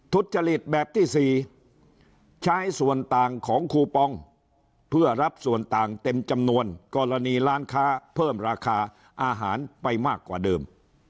ทุจริตแบบที่๔ใช้ส่วนต่างของคูปองเพื่อรับส่วนต่างเต็มจำนวนกรณีร้านค้าเพิ่มราคาอาหารไปมากกว่าเดิม